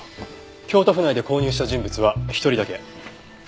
京都府内で購入した人物は１人だけ。